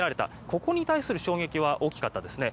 ここに対する衝撃は大きかったですね。